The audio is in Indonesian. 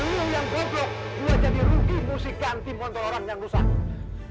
gara gara lu yang goblok gua jadi rugi musik ganti montir orang yang rusak